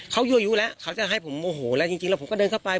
เขายั่วยุแล้วเขาจะให้ผมโมโหแล้วจริงแล้วผมก็เดินเข้าไป